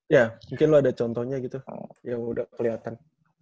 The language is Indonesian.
ya mungkin lo ada contohnya gitu yang udah kelihatan